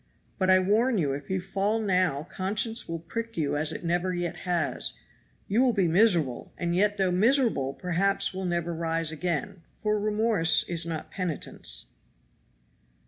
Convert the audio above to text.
But I warn you if you fall now conscience will prick you as it never yet has; you will be miserable, and yet though miserable perhaps will never rise again, for remorse is not penitence."